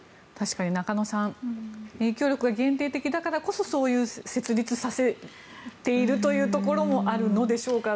中野さん影響力は限定的だからこそ設立させているところもあるのでしょうか。